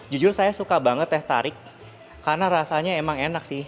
jujur saya suka banget teh tarik karena rasanya emang enak sih